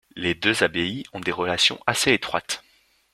Les deux abbayes ont des relations assez étroites.